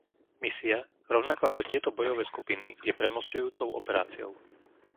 Misia, rovnako ako tieto bojové skupiny, je premosťujúcou operáciou.